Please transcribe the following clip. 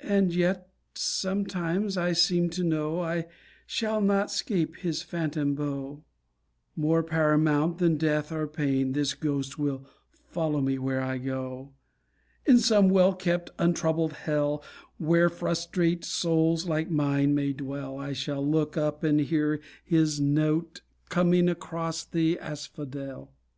And yet sometimes I seem to know I shall not 'scape his phantom bow; More paramount than death or pain, This ghost will follow where I go. In some well kept untroubled hell Where frustrate souls like mine may dwell, I shall look up and hear his note Coming across the asphodel.